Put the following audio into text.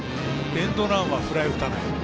エンドランはフライ打たない。